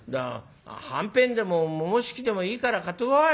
はんぺんでもももしきでもいいから買ってこい。